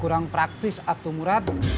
kurang praktis atuh murad